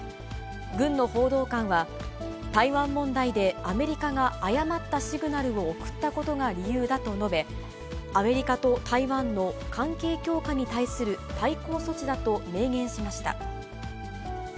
軍の報道官は、台湾問題でアメリカが誤ったシグナルを送ったことが理由だと述べ、アメリカと台湾の関係強化に対する対抗措置だと明言しました。